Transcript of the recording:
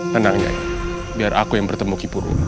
tenang nyai biar aku yang bertemu kipur walaupun